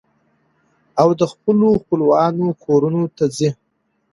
او د خپلو خپلوانو کورنو ته ځي.